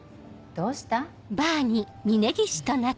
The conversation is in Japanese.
どうした？